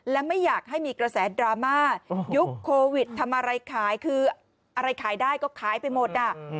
และไม่อยากให้มีกระแสดราม่ายุคโควิดทำอะไรขายคืออะไรขายได้ก็ขายไปหมดอ่ะ